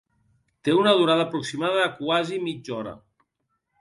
Té una durada aproximada de quasi mitja hora.